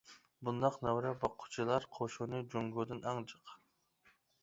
بۇنداق نەۋرە باققۇچىلار قوشۇنى جۇڭگودىن ئەڭ جىق.